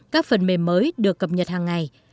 các phần mềm mới được cập nhật hàng ngày